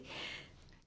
tapi itu dia